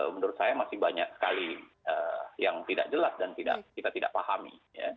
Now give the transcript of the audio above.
menurut saya masih banyak sekali yang tidak jelas dan kita tidak pahami